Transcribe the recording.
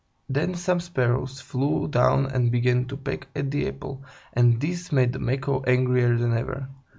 Then some Sparrows flew down and began to peck at the apple, and this made the Macaw angrier than ever.